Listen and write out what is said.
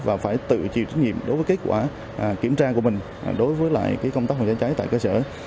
và phải tự chịu trách nhiệm đối với kết quả kiểm tra của mình đối với lại công tác phòng cháy cháy tại cơ sở